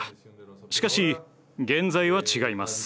しかし現在は違います。